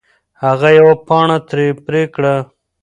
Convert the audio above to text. هغه یوه پاڼه ترې پرې کړه.